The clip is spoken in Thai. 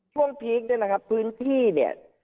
พีคเนี่ยนะครับพื้นที่เนี่ย